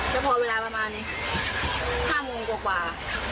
แล้วพอเวลาประมาณ๕โมงกว่า